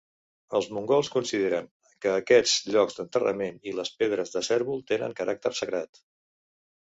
Els mongols consideren que aquests llocs d'enterrament i les pedres de cérvol tenen caràcter sagrat.